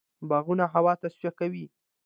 باغونه هوا تصفیه کوي.